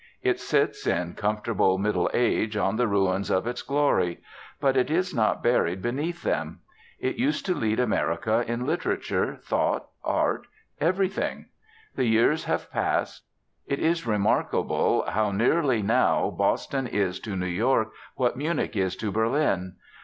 It sits, in comfortable middle age, on the ruins of its glory. But it is not buried beneath them. It used to lead America in Literature, Thought, Art, everything. The years have passed. It is remarkable how nearly now Boston is to New York what Munich is to Berlin.